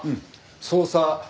捜査。